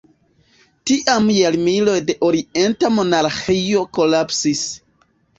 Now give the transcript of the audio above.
Tiam jarmiloj da orienta monarĥio kolapsis.